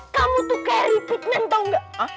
kamu tuh kayak reputmen tahu nggak